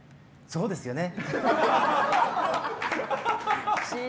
そうですよね。